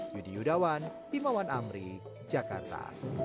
yudi yudawan himawan amri jakarta